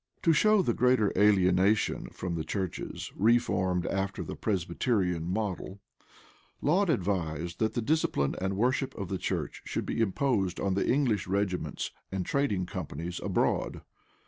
To show the greater alienation from the churches reformed after the Presbyterian model, Laud advised that the discipline and worship of the church should be imposed on the English regiments and trading companies abroad.